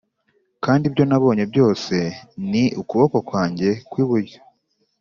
kandi ibyo nabonye byose ni ukuboko kwanjye kw'iburyo